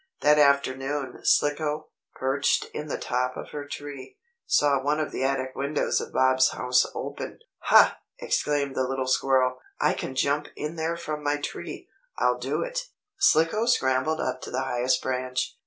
That afternoon Slicko, perched in the top of her tree, saw one of the attic windows of Bob's house open. "Ha!" exclaimed the little squirrel. "I can jump in there from my tree. I'll do it." Slicko scrambled up to the highest branch.